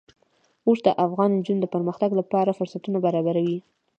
اوښ د افغان نجونو د پرمختګ لپاره فرصتونه برابروي.